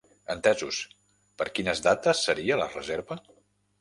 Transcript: Entesos, per quines dates seria la reserva?